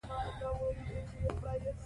دا پروژه د هېواد په بودیجه بشپړېږي.